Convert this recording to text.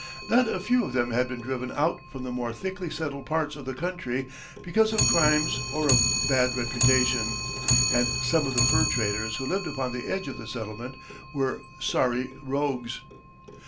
Not a few of them had been driven out from the more thickly settled parts of the country because of crimes or of bad reputation; and some of the fur traders who lived upon the edge of the settlement were sorry rogues.